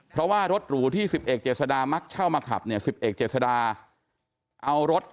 เพราะว่ารถหรูที่๑๑เจษดามักเช่ามาขับเนี่ย๑๑เจษดาเอารถ